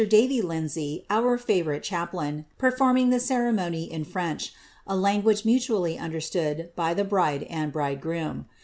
Davie Lindsay, his favourite chaplain, performing the ceremony in French, a language mutually understood by the bride and bridegroom.